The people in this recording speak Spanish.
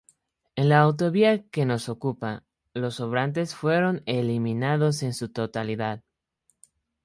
En la autovía que nos ocupa, los sobrantes fueron eliminados en su totalidad.